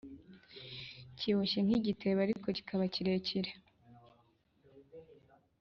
kiboshye nk’igitebo ariko kikaba kirekire